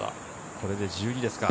これで、まだ１２ですか。